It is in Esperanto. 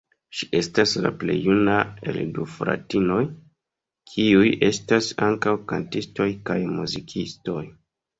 Ŝi estas la plej juna el du fratinoj, kiuj estas ankaŭ kantistoj kaj muzikistoj.